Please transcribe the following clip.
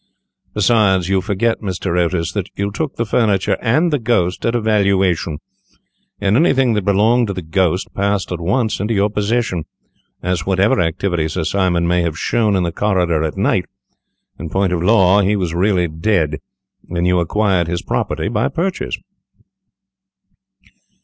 Besides, you forget, Mr. Otis, that you took the furniture and the ghost at a valuation, and anything that belonged to the ghost passed at once into your possession, as, whatever activity Sir Simon may have shown in the corridor at night, in point of law he was really dead, and you acquired his property by purchase."